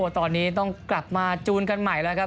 ตอนนี้ต้องกลับมาจูนกันใหม่แล้วครับ